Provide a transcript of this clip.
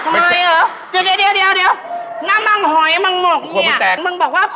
เป็นนิรากากทวันของเฮียคร้าว